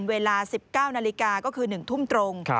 เวลา๑๙นาฬิกาก็คือ๑ทุ่มตรง